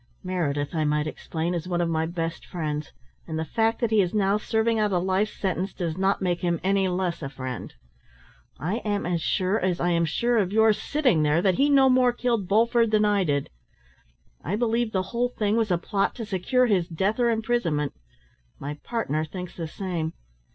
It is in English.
Meredith, I might explain, is one of my best friends, and the fact that he is now serving out a life sentence does not make him any less a friend. I am as sure, as I am sure of your sitting there, that he no more killed Bulford than I did. I believe the whole thing was a plot to secure his death or imprisonment. My partner thinks the same.